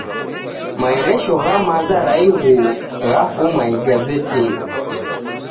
Maeresho gha maza ra ighuo ghafuma igazetinyi